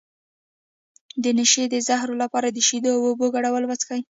د نشې د زهرو لپاره د شیدو او اوبو ګډول وڅښئ